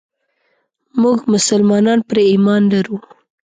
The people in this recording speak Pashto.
موږ مسلمانان پرې ايمان لرو.